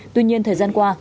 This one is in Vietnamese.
tuy nhiên thời gian qua